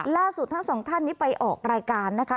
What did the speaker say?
ล่าสุดทั้งสองท่านนี้ไปออกรายการนะคะ